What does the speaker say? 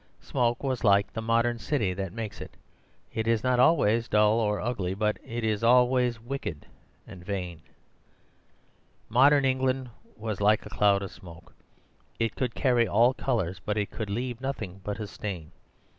Smoke was like the modern city that makes it; it is not always dull or ugly, but it is always wicked and vain. "Modern England was like a cloud of smoke; it could carry all colours, but it could leave nothing but a stain.